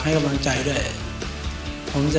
ถือว่าเป็นโอกาสขนาดเด็กข้างนอกคนหนึ่งครับ